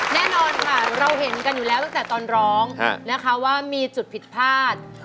แน่นอนค่ะเราเห็นกันอยู่แล้วตั้งแต่ตอนร้องนะคะว่ามีจุดผิดพลาด